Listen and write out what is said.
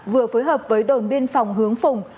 vừa phối hợp với đồn biên phòng hướng phùng